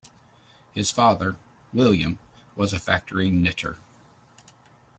His father, William, was a factory knitter.